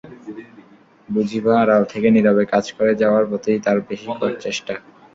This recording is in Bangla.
বুঝিবা আড়াল থেকে নীরবে কাজ করে যাওয়ার প্রতিই তাঁর বেশি চেষ্টা।